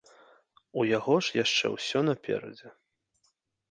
У яго ж яшчэ ўсё наперадзе.